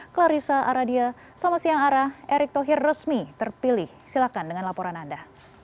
clarissa aradia selamat siang ara erick thohir resmi terpilih silahkan dengan laporan anda